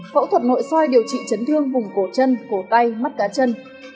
phẫu thuật nội soi điều trị chấn thương vùng cổ chân cổ tay mắt cá chân